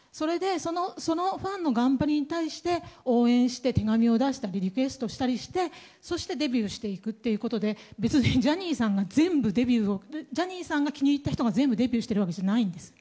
そのファンの頑張りに対して応援して手紙を出したりリクエストしたりしてデビューしていくということで別にジャニーさんが気に入った人が全部デビューしてるわけじゃないんです。